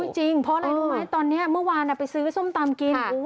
จริงเพราะอะไรรู้ไหมตอนนี้เมื่อวานไปซื้อส้มตำกิน